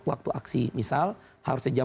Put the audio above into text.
waktu aksi misal harusnya